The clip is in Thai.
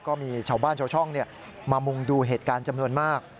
ก็มีชาวบ้านชาวช่องมามุงดูเหตุการณ์จำนวนมาก